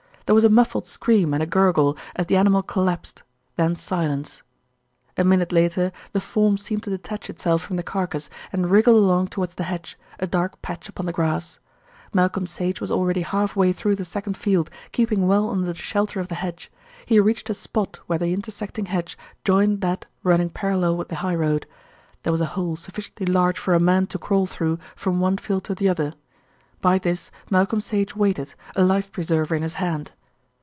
There was a muffled scream and a gurgle, as the animal collapsed, then silence. A minute later the form seemed to detach itself from the carcase and wriggled along towards the hedge, a dark patch upon the grass. Malcolm Sage was already half way through the second field, keeping well under the shelter of the hedge. He reached a spot where the intersecting hedge joined that running parallel with the highroad. There was a hole sufficiently large for a man to crawl through from one field to the other. By this Malcolm Sage waited, a life preserver in his hand.